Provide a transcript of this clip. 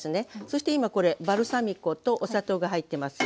そして今これバルサミコとお砂糖が入ってます。